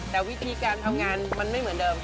แต่วิธีการทำงานมันไม่เหมือนเดิม